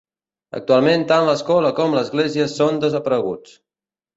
Actualment tant l'escola com l'església són desapareguts.